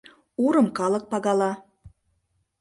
Урым калык пагала;